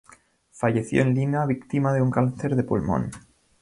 Falleció en Lima víctima de un cáncer de pulmón.